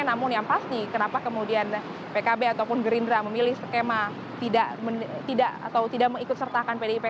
namun yang pasti kenapa kemudian pkb ataupun gerindra memilih skema atau tidak mengikut sertakan pdip